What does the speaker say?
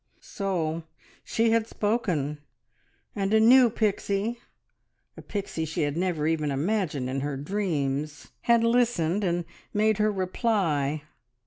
So she had spoken, and a new Pixie a Pixie she had never even imagined in dreams had listened, and made her reply.